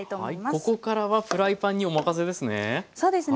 ここからはフライパンにお任せですね。